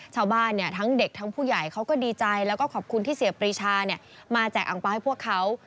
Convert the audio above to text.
ชาวบ้านทั้งเด็กทั้งผู้ใหญ่เขาก็ดีใจแล้วก็ขอบคุณที่เสียปรีชามาแจกอังปลาให้พวกเขา